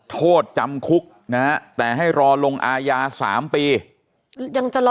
โทษจำคุกนะฮะแต่ให้รอลงอาญา๓ปียังจะรอ